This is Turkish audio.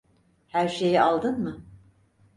Her şeyi aldın mı?